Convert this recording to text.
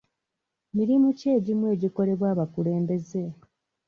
Mirimu ki egimu egikolebwa abakulembeze.